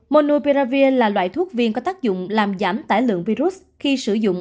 monoperavir là loại thuốc viên có tác dụng làm giảm tải lượng virus khi sử dụng